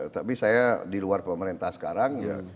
tapi saya di luar pemerintah sekarang